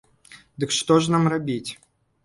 Дык што ж нам рабіць?